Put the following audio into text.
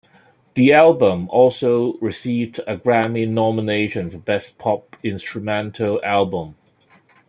The album also received a Grammy nomination for Best Pop Instrumental Album.